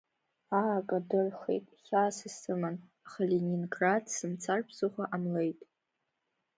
Аа, Кадырхеит, хьаас исыман, аха Ленинград сымцар ԥсыхәа ҟамлеит.